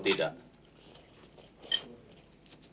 tepung harus diberitahu